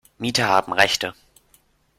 Mieter haben Rechte.